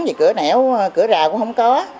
gì cửa nẻo cửa rào cũng không có